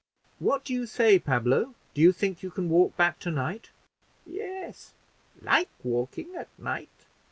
"What do you say, Pablo? do you think you can walk back to night?" "Yes; like walking at night.